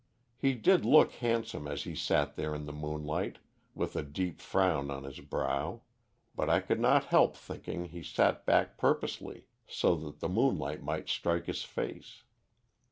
He did look handsome as he sat there in the moonlight, with a deep frown on his brow; but I could not help thinking he sat back purposely, so that the moonlight might strike his face.